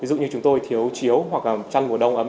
ví dụ như chúng tôi thiếu chiếu hoặc là chăn mùa đông ấm